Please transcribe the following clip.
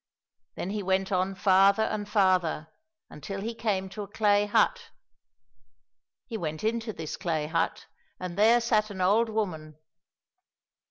Then he went on farther and farther, until he came to a clay hut. He went into this clay hut, and there sat an old woman.